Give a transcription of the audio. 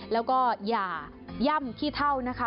แล้วก็อย่าย่ำขี้เท่านะคะ